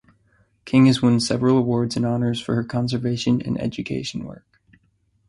King has won several awards and honors for her conservation and education work.